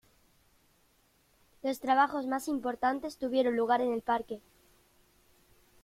Los trabajos más importantes tuvieron lugar en el parque.